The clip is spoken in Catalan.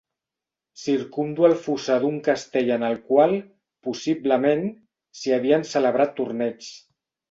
Circumdo el fossar d'un castell en el qual, possiblement, s'hi havien celebrat torneigs.